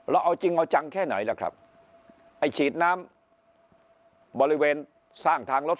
เอาจริงเอาจังแค่ไหนล่ะครับไอ้ฉีดน้ำบริเวณสร้างทางรถ